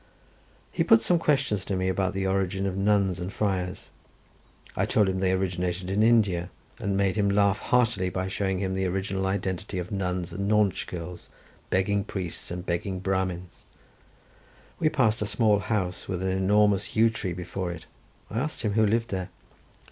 He put some questions to me about the origin of nuns and friars. I told him they originated in India, and made him laugh heartily by showing him the original identity of nuns and nautch girls, begging priests and begging Brahmins. We passed by a small house with an enormous yew tree before it; I asked him who lived there.